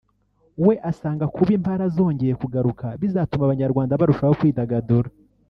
we asanga kuba Impala zongeye kugaruka bizatuma Abanyarwanda barushaho kwidagadura